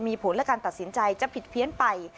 มีผลและการตัดสินใจจะผิดเพี้ยนไป